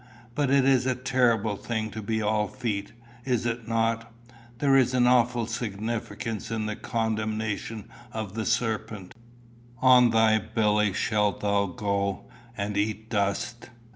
But it is a terrible thing to be all feet, is it not? There is an awful significance in the condemnation of the serpent 'On thy belly shalt thou go, and eat dust.